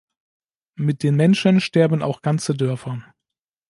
Mit den Menschen sterben auch ganze Dörfer.